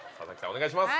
お願いします。